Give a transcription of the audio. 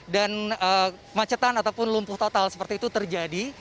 dan kemacetan ataupun lumpuh total seperti itu terjadi